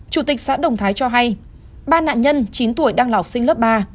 chủ tịch xã đồng thái cho hay ba nạn nhân chín tuổi đang lọc sinh lớp ba